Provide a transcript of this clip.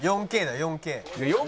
「４Ｋだよ４Ｋ」